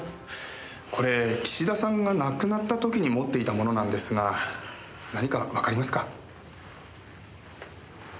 これ岸田さんが亡くなった時に持っていたものなんですが何かわかりますか？